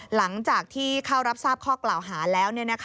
หลังจากที่เข้ารับทราบข้อกล่าวหาแล้ว